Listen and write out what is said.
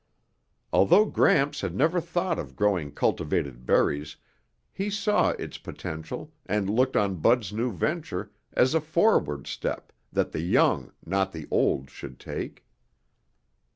Although Gramps had never thought of growing cultivated berries, he saw its potential and looked on Bud's new venture as a forward step that the young, not the old, should take.